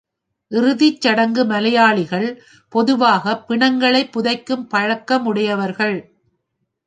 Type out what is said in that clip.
இறுதிச் சடங்கு மலையாளிகள் பொதுவாக, பிணங்களைப் புதைக்கும் பழக்க முடையவர்கள்.